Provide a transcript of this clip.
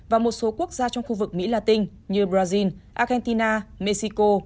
và một số quốc gia trong khu vực mỹ latin như brazil argentina mexico